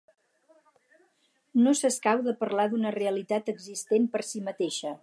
No s'escau de parlar d'una realitat existent per si mateixa.